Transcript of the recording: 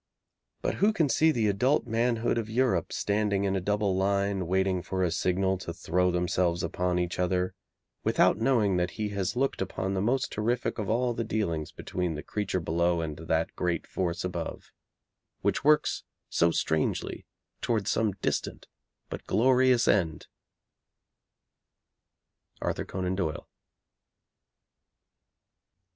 But who can see the adult manhood of Europe standing in a double line, waiting for a signal to throw themselves upon each other, without knowing that he has looked upon the most terrific of all the dealings between the creature below and that great force above, which works so strangely towards some distant but glorious end? ARTHUR CONAN DOYLE.